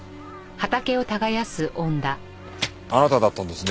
あなただったんですね。